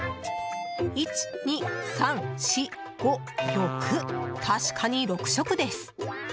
１、２、３、４、５、６確かに６色です。